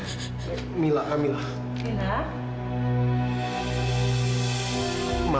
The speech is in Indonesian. permisi semuanya kamila mau ke kamar